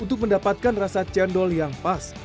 untuk mendapatkan rasa cendol yang pas